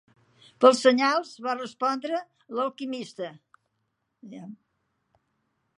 "Pels senyals", va respondre l'Alquimista.